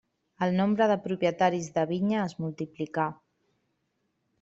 El nombre de propietaris de vinya es multiplicà.